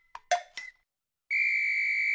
ピッ！